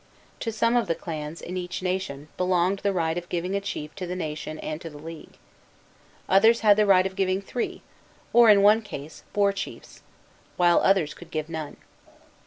To some of the clans, in each nation, belonged the right of giving a chief to the nation and to the league. Others had the right of giving three, or, in one case, four chiefs; while others could give none.